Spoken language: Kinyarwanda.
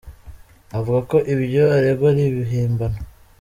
Avuga ko ibyo aregwa ari ibihimbano.